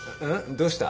どうした？